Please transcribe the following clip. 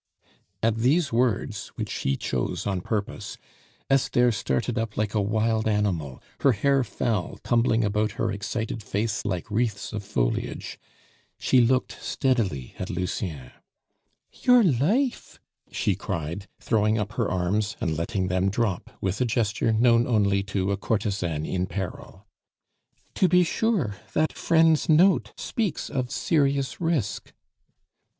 At these words, which he chose on purpose, Esther started up like a wild animal, her hair fell, tumbling about her excited face like wreaths of foliage. She looked steadily at Lucien. "Your life?" she cried, throwing up her arms, and letting them drop with a gesture known only to a courtesan in peril. "To be sure; that friend's note speaks of serious risk."